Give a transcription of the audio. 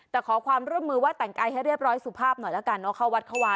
แต่ขอความร่วมมือวัดแต่งกายให้เรียบร้อยสุภาพหน่อยละกันเนาะ